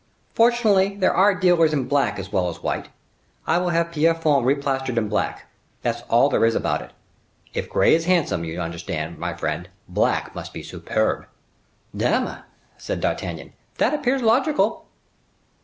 Fortunately there are dealers in black as well as white. I will have Pierrefonds replastered in black; that's all there is about it. If gray is handsome, you understand, my friend, black must be superb." "Dame!" said D'Artagnan, "that appears logical."